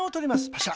パシャ。